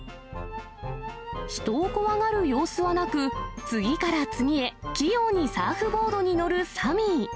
人を怖がる様子はなく、次から次へ、器用にサーフボードに乗るサミー。